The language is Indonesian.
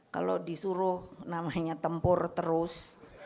kalau disuruh namanya tempur terus